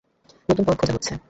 নতুন পথ খোঁজা হচ্ছে।